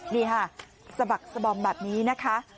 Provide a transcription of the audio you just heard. นี่ค่ะสะบักสบอมแบบนี้นะคะ